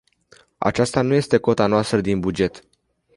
Aceasta nu este cota noastră din buget.